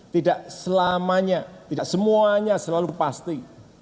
tidak selamanya tidak semuanya selalu pasti